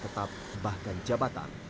tetap bahkan jabatan